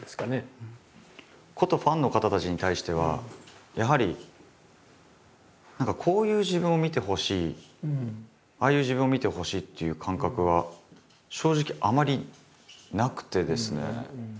ことファンの方たちに対してはやはり何かこういう自分を見てほしいああいう自分を見てほしいっていう感覚は正直あまりなくてですね。